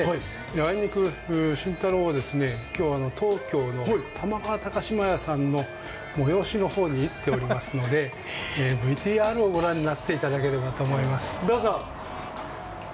あいにく慎太郎は今日は東京の玉川高島屋さんの催しの方に行っておりますので、ＶＴＲをご覧になっていただければと思います。